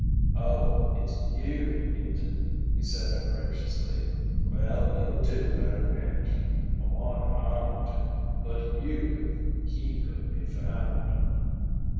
"Oh, it's you, is it?" he said ungraciously. "Well, you'll do at a pinch.... I wanted Arlington ... but you if he couldn't be found."